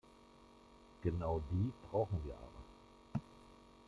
Genau die brauchen wir aber.